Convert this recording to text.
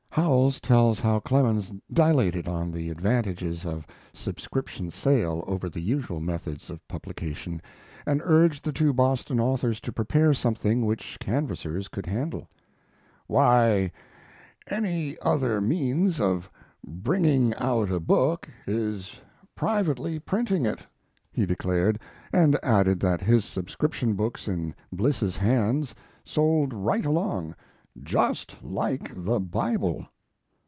Howells tells how Clemens dilated on the advantages of subscription sale over the usual methods of publication, and urged the two Boston authors to prepare something which canvassers could handle. "Why, any other means of bringing out a book is privately printing it," he declared, and added that his subscription books in Bliss's hands sold right along, "just like the Bible."